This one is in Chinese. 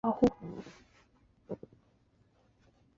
该文物保护单位由集安市文物局管理。